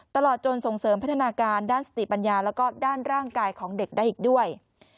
ตลอดจนส่งเสริมพัฒนาการด้านสติปัญญาแล้วก็ด้านร่างกายของเด็กได้อีกด้วย